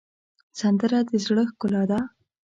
سندره د زړه ښکلا ده